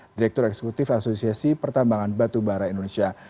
direktur eksekutif asosiasi pertambangan batu barai indonesia